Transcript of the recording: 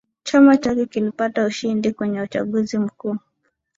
Chama chake kilipata ushindi kwenye uchaguzi mkuu